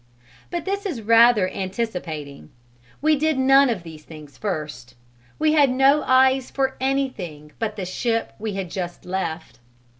But this is rather anticipating: we did none of these things first. We had no eyes for anything but the ship we had just left.